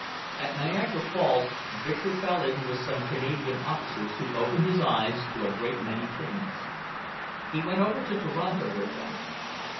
At Niagara Falls, Victor fell in with some young Canadian officers who opened his eyes to a great many things. He went over to Toronto with them.